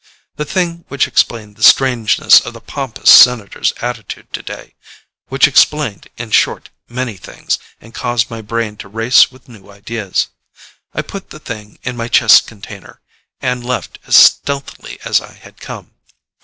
The thing which explained the strangeness of the pompous Senator's attitude today which explained, in short, many things, and caused my brain to race with new ideas. I put the thing in my chest container, and left as stealthily as I had come.